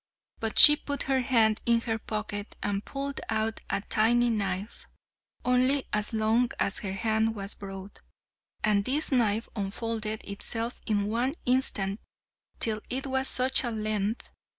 But she put her hand in her pocket and pulled out a tiny knife, only as long as her hand was broad, and this knife unfolded itself in one instant till it was such a length!